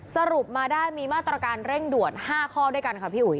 สรุปมาได้มีมาตรการเร่งด่วน๕ข้อด้วยกันค่ะพี่อุ๋